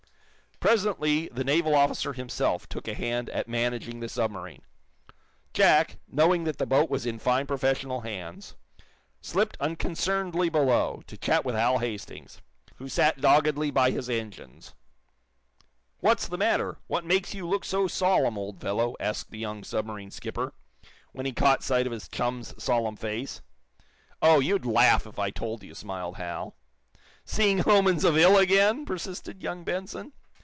Presently, the naval officer himself took a hand at managing the submarine. Jack, knowing that the boat was in fine professional hands, slipped unconcernedly below, to chat with Hal Hastings, who sat doggedly by his engines. "What's the matter? What makes you look so solemn, old fellow?" asked the young submarine skipper, when he caught sight of his chum's solemn face. "Oh, you'd laugh, if I told you," smiled Hal. "Seeing omens of ill again!" persisted young Benson.